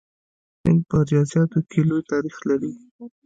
هند په ریاضیاتو کې لوی تاریخ لري.